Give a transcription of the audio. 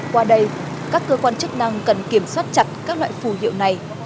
qua đây các cơ quan chức năng cần kiểm soát chặt các loại phù hiệu này